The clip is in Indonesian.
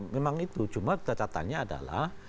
memang itu cuma catatannya adalah